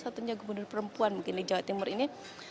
satunya gubernur perempuan mungkin di jawa timur ini